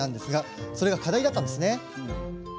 それが課題だったんです。